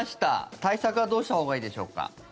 対策はどうしたほうがいいでしょうか？